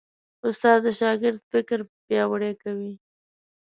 استاد د شاګرد فکر پیاوړی کوي.